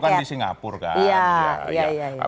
tapi itu kan di singapura kan